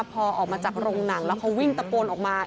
พอออกมาจากโรงหนังแล้วเขาวิ่งตะโกนออกมา